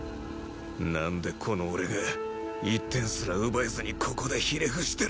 なんでこの俺が１点すら奪えずにここでひれ伏してる！？